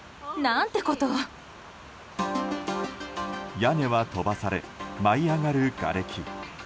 屋根は飛ばされ舞い上がるがれき。